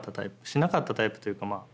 しなかったタイプというかまあ